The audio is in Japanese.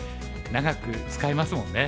長く使えますもんね。